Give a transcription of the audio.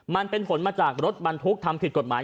มันเป็นผลมาจากรถบรรทุกทำผิดกฎหมาย